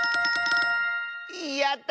やった！